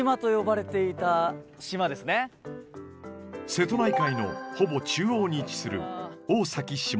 瀬戸内海のほぼ中央に位置する大崎下島。